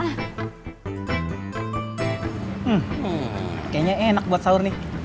hmm kayaknya enak buat sahur nih